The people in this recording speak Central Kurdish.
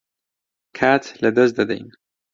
کات لەدەست دەدەین.